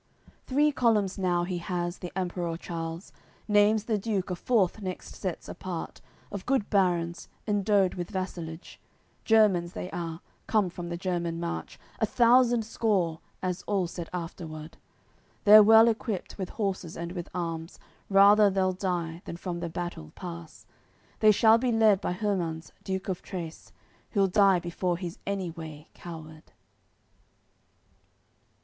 AOI. CCXIX Three columns now, he has, the Emperour Charles. Naimes the Duke a fourth next sets apart Of good barons, endowed with vassalage; Germans they are, come from the German March, A thousand score, as all said afterward; They're well equipped with horses and with arms, Rather they'll die than from the battle pass; They shall be led by Hermans, Duke of Trace, Who'll die before he's any way coward.